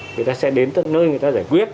người ta sẽ đến tận nơi người ta giải quyết